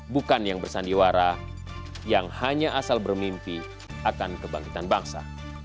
bukan yang bersandiwara yang hanya asal bermimpi akan kebangkitan bangsa